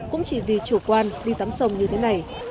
cũng chỉ vì chủ quan đi tắm sông như thế này